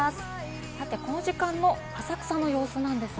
この時間の浅草の様子なんですが。